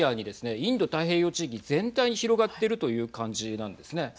インド太平洋地域全体に広がっているという感じなんですね。